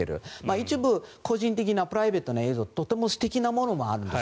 一部、個人的なプライベートな映像とても素敵なものもあるんです。